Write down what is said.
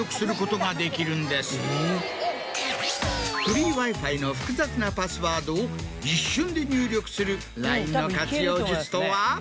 フリーＷｉ−Ｆｉの複雑なパスワードを一瞬で入力するＬＩＮＥの活用術とは？